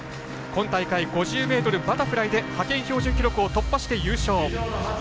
今大会５０ｍバタフライで派遣標準記録を突破して優勝。